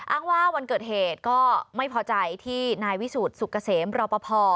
อ้างว่าวันเกิดเหตุก็ไม่พอใจที่นายวิสุทธิ์สุกเกษมรอปภ